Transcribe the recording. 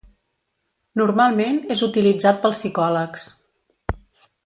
Normalment és utilitzat pels psicòlegs.